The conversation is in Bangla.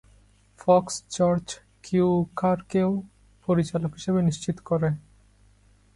ফক্স জর্জ কিউকারকেও পরিচালক হিসেবে নিশ্চিত করে।